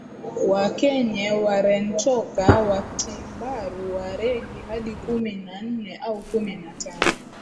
Wakenye Warenchoka Watimbaru Waregi hadi kumi na nne au kumi na tano